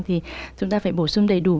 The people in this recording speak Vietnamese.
thì chúng ta phải bổ sung đầy đủ